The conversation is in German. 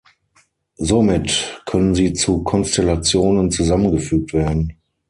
Somit können sie zu Konstellationen zusammengefügt werden.